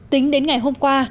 tính đến ngày hôm qua